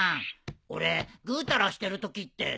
俺ぐうたらしてるときって何してる？